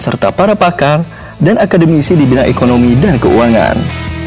serta para pakar dan akademisi di bidang ekonomi dan keuangan